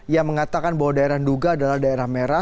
yang mengatakan bahwa daerah nduga adalah daerah merah